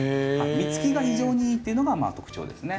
実つきが非常にいいっていうのが特徴ですね。